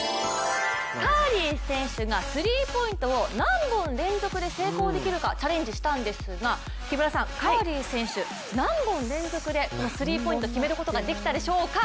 カリー選手がスリーポイントを何本連続で成功できるかチャレンジしたんですがカリー選手、何本連続でスリーポイント成功できたでしょうか。